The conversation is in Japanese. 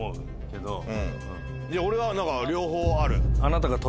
いや俺は何か両方ある。